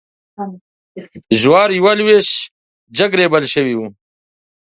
جوارېوه لویشت جګ ریبل شوي وې.